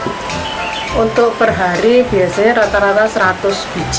untuk per hari biasanya rata rata seratus biji